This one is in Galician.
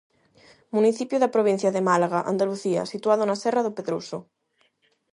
Municipio da provincia de Málaga, Andalucía, situado na serra de Pedroso.